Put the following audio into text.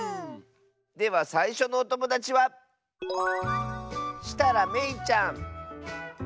ではさいしょのおともだちはめいちゃんの。